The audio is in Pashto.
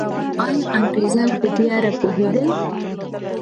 آیا انګریزان په دې اړه پوهېدل؟